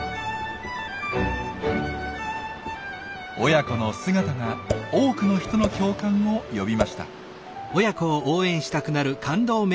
親子の姿が多くの人の共感を呼びました。